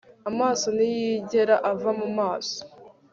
amaso ntiyigera ava mu maso